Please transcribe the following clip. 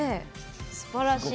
すばらしい。